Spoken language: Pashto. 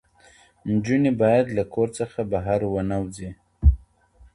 نجونې باید له کور څخه بهر ونه وځي.